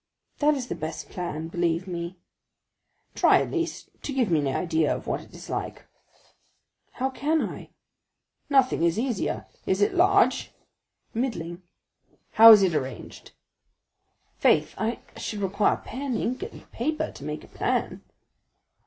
"That is the best plan, believe me." "Try, at least, to give me an idea of what it is." "How can I?" "Nothing is easier. Is it large?" "Middling." "How is it arranged?" "Faith, I should require pen, ink, and paper to make a plan."